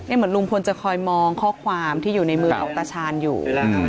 เหมือนลุงพลจะคอยมองข้อความที่อยู่ในมือของตาชาญอยู่